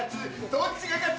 どっちが勝つ？